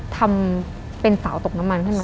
ทำเป็นเสาตกน้ำมันขึ้นมา